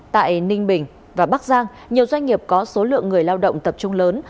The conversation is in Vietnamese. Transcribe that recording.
tại ninh bình và bắc giang nhiều doanh nghiệp có số lượng người lao động tập trung lớn